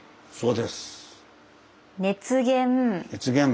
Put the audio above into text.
そうです。